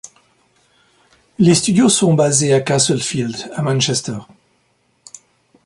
Les studios sont basés à Castlefield, à Manchester.